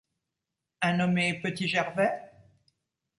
Un nommé Petit-Gervais?